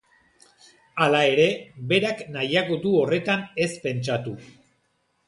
Hala ere, berak nahiago du horretan ez pentsatu.